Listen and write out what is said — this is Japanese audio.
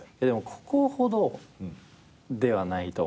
ここほどではないと思います。